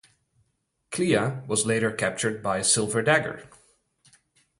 Clea was later captured by Silver Dagger.